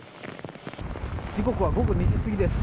時刻は午後２時すぎです。